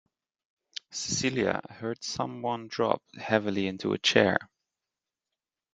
Celia heard some one drop heavily into a chair.